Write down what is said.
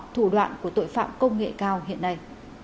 thủ đoạn của tội phạm công nghệ cao hiện nay